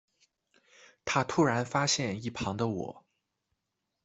他突然发现一旁的我